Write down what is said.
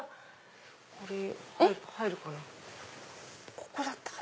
これ入るかな。